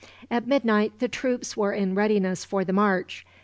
At midnight the troops were in readiness for the march.